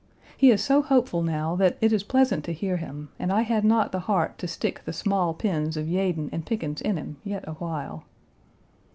He is so hopeful now that it is pleasant to hear him, and I had not the heart to stick the small pins of Yeadon and Pickens in him yet a while.